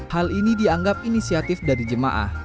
hal ini dianggap inisiatif berharga